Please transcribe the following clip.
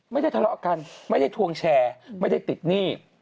ไม่ได้ทะเลาะกันไม่ได้ทวงแชร์ไม่ได้ติดหนี้